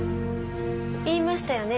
言いましたよね